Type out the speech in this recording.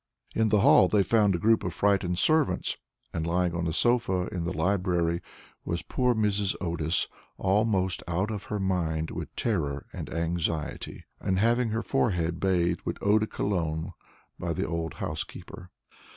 In the hall they found a group of frightened servants, and lying on a sofa in the library was poor Mrs. Otis, almost out of her mind with terror and anxiety, and having her forehead bathed with eau de cologne by the old housekeeper.